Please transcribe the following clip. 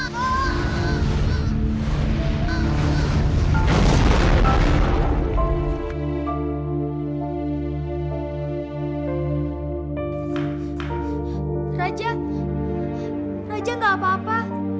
raja raja gak apa apa